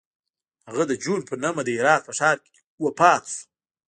هغه د جون پر نهمه د هرات په ښار کې وفات شو.